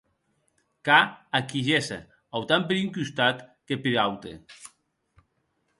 Qu’a a qui gésser autant per un costat que per aute.